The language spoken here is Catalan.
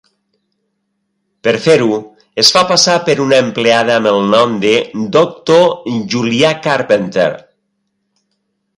Per fer-ho, es fa passar per una empleada amb el nom de "Doctor Julia Carpenter".